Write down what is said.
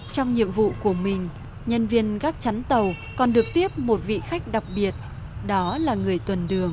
trong nhiệm vụ của mình nhân viên gác chắn tàu còn được tiếp một vị khách đặc biệt đó là người tuần đường